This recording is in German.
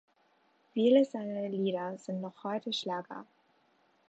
Viele seiner Lieder sind noch heute Schlager.